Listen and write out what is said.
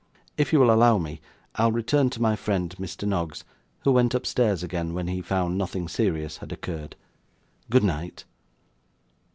If you will allow me, I'll return to my friend, Mr. Noggs, who went upstairs again, when he found nothing serious had occurred. Good night.